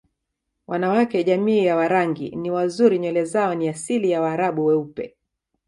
Wanawake jamii ya Warangi ni wazuri nywele zao ni asili ya waraabu weupe